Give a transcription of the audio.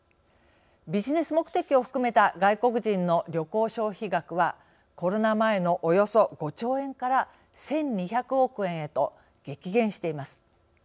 ビジネス目的を含めた外国人の旅行消費額はコロナ前のおよそ５兆円から１，２００億円へと激減しています。